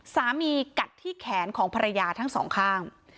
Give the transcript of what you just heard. กัดที่แขนของภรรยาทั้งสองข้าง